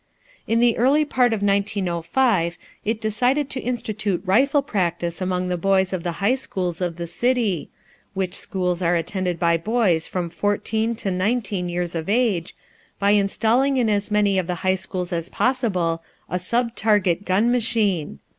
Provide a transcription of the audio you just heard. In the early part of 1905 it decided to institute rifle practice among the boys of the high schools of the city, which schools are attended by boys from fourteen to nineteen years of age, by installing in as many of the high schools as possible a "subtarget gun machine."